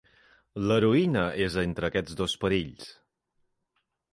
L'heroïna és entre aquests dos perills.